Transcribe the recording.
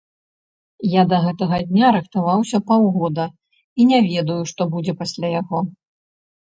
Я да гэтага дня рыхтаваўся паўгода, і не ведаю, што будзе пасля яго.